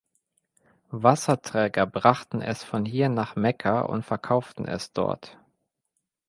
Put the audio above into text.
Wasserträger brachten es von hier nach Mekka und verkauften es dort.